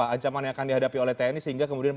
ancamannya akan dihadapi oleh tni sehingga kemudian